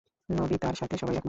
নোবিতার সাথে সবাই একমত।